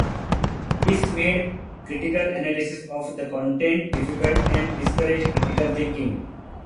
This made critical analysis of the content difficult and discouraged critical thinking.